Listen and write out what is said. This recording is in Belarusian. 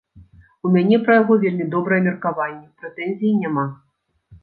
У мяне пра яго вельмі добрае меркаванне, прэтэнзій няма.